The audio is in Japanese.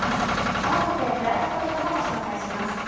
併せて「フライドポテト」もご紹介します。